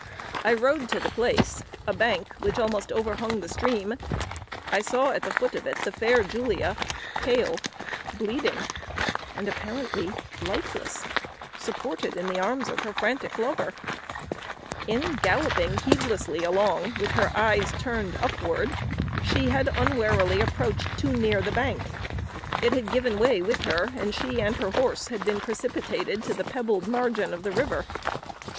I rode to the place to which bank, which almost overhung the stream, I saw at the foot of it the fair Julia, pale, bleeding, and apparently lifeless, supported in the arms of her frantic lover. [Illustration: Julia's Mishap] In galloping heedlessly along, with her eyes turned upward, she had unwarily approached too near the bank; it had given way with her, and she and her horse had been precipitated to the pebbled margin of the river.